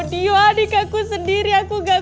tio adik aku sendiri aku gak